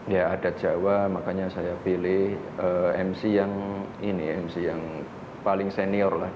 ya adat jawa makanya saya pilih mc yang ini mc yang paling senior lah